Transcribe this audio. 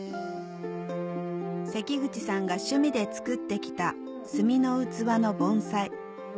関口さんが趣味で作って来た炭の器の盆栽炭